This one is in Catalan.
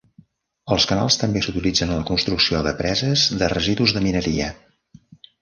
Els canals també s'utilitzen en la construcció de preses de residus de mineria.